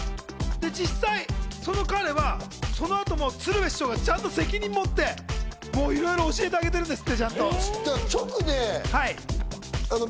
実際、その彼はその後も鶴瓶師匠が責任を持っていろいろ教えてあげてるんですって。